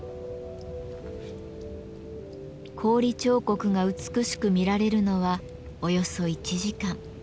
氷彫刻が美しく見られるのはおよそ１時間。